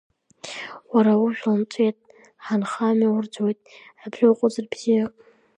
Уара, ужәла нҵәеит, ҳанхамҩа урӡуеит, абри уаҟәыҵыр бзиоуп.